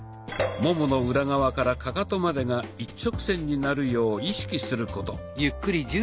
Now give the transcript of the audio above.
ももの裏側からカカトまでが一直線になるよう意識すること。